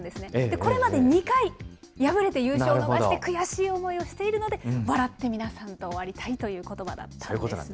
これまで２回敗れて、優勝を逃して悔しい思いをしているので、笑って皆さんと終わりたいということばだったんですね。